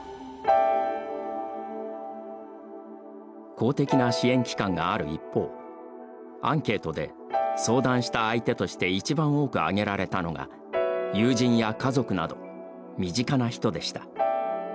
公的な支援機関がある一方アンケートで相談した相手としていちばん多く挙げられたのが友人や家族など身近な人でした。